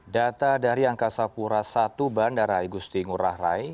data dari angkasa pura satu bandara agusti ngurah rai